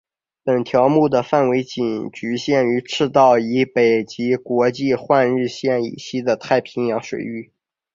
本条目的范围仅局限于赤道以北及国际换日线以西的太平洋水域。